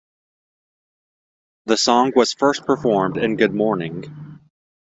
The song was first performed in Good Morning!